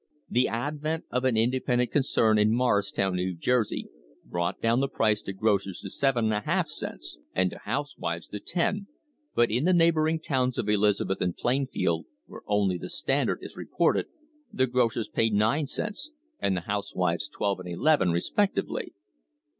The advent of an independent concern in Morristown, New Jersey, brought down the price to grocers to 7^ cents and to housewives to 10, but in the neighbouring towns of Elizabeth and Plainfield, where only the Standard is re ported, the grocers pay 9 cents and the housewives 12 and 11, respectively.